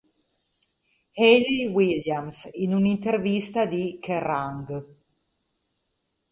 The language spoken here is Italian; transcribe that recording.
Hayley Williams, in un'intervista di "Kerrang!